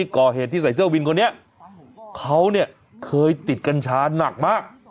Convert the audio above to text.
เขาเนี่ยเคยติดกัญชาหนักมาก